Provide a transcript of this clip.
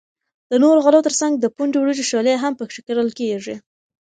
د نورو غلو تر څنگ د پنډو وریجو شولې هم پکښی کرل کیږي.